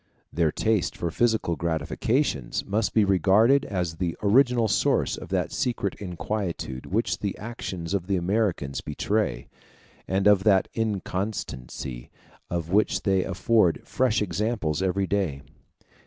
Their taste for physical gratifications must be regarded as the original source of that secret inquietude which the actions of the Americans betray, and of that inconstancy of which they afford fresh examples every day.